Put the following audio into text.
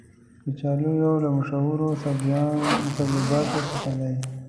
کچالو یو له مشهورو سبزیجاتو څخه دی.